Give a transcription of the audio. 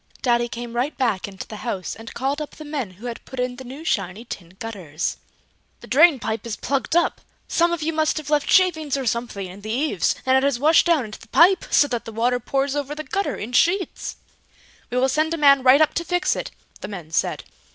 Daddy came right back into the house and called up the men who had put in the new shiny tin gutters. "The drain pipe is plugged up. Some of you must have left shavings or something in the eaves, and it has washed down into the pipe, so that the water pours over the gutter in sheets!" "We will send a man right up to fix it!" the men said.